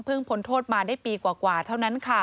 เพิ่งผลโทษมาได้ปีกว่าเท่านั้น